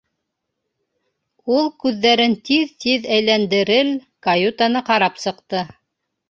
Ул, күҙҙәрен тиҙ-тиҙ әйләндерел, каютаны ҡарап сыҡты.